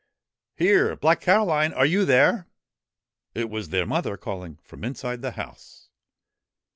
' Here ! Black Caroline ! Are you there ?' It was their mother calling from the inside of the house.